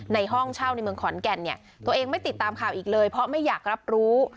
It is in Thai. ในห้องเช่าในเมืองขอนแก่นเนี่ยตัวเองไม่ติดตามข่าวอีกเลยเพราะไม่อยากรับรู้